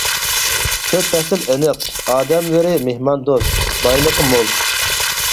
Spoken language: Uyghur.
تۆت پەسىل ئېنىق، ئادەملىرى مېھماندوست، بايلىقى مول.